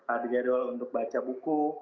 ada jadwal untuk baca buku